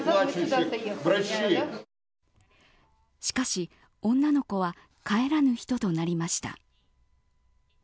しかし、女の子は帰らぬ人となりました。